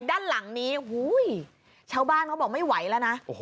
ด้านหลังนี้ชาวบ้านเขาบอกไม่ไหวแล้วนะ